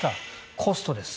コストです。